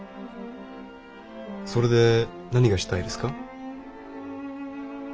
それで何がしたいですか？